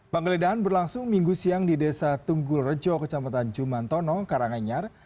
penggeledahan berlangsung minggu siang di desa tunggul rejo kecamatan jumantono karanganyar